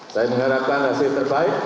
saya mengharapkan hasil terbaik